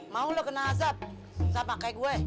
mau lo kena azab sama kayak gue